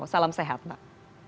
salam sehat mbak